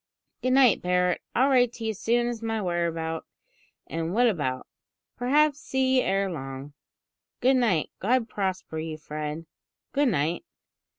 "Good night, Barret. I'll write to you soon as to my whereabout and what about. Perhaps see you ere long." "Good night. God prosper you, Fred. Good night."